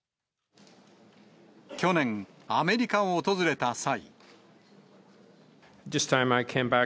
去年、アメリカを訪れた際。